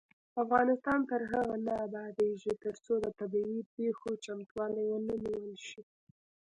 افغانستان تر هغو نه ابادیږي، ترڅو د طبيعي پیښو چمتووالی ونه نیول شي.